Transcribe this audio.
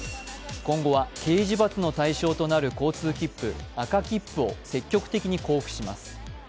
今後は刑事罰の対象となる交通切符、赤切符を積極的に交付します。